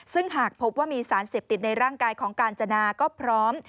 ซึ่งหากพบว่ามีสารเสพติดในร่างกายของกาญจนาก็พร้อม